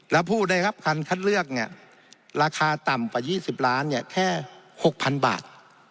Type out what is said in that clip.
แล้วผู้ได้รับคันคัดเลือกราคาต่ำกว่า๒๐ล้านแค่๖๐๐๐บาท